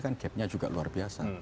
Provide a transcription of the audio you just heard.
kan gapnya juga luar biasa